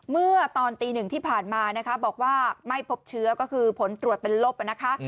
เมื่อตอนตีหนึ่งที่ผ่านมานะคะบอกว่าไม่พบเชื้อก็คือผลตรวจเป็นลบนะคะ